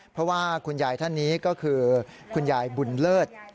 เพราะว่าคุณยายท่านนี้ก็คือคุณยายบุญเลิศ